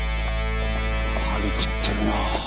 張り切ってるなあ。